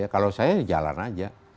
kalau saya jalan aja